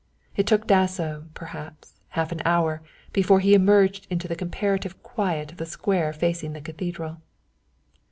It took Dasso, perhaps, half an hour before he emerged into the comparative quiet of the square facing the Cathedral.